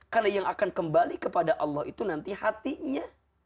karena yang akan kembali kepada allah itu nanti hatinya